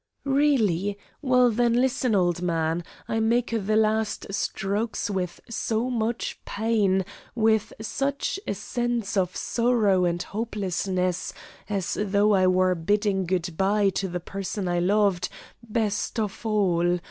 "Really? Well, then, listen, old man. I make the last strokes with so much pain, with such a sense of sorrow and hopelessness, as though I were bidding good bye to the person I loved best of all.